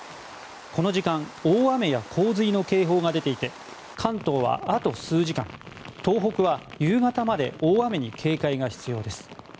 この時間大雨や洪水の警報が出ていて関東は、あと数時間東北は夕方まで大雨に警戒が必要です。